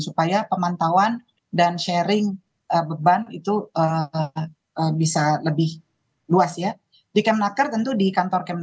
supaya pemantauan dan sharing beban itu starch lebih luas di kamp vision di kantor